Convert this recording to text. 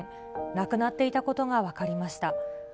亡くなっていたことが分かりました。